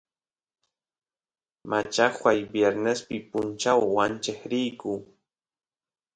machajuay viernespi punchaw wancheq riyku